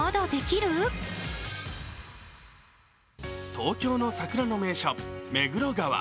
東京の桜の名所・目黒川。